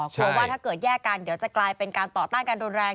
กลัวว่าถ้าเกิดแยกกันเดี๋ยวจะกลายเป็นการต่อต้านการโดนแรง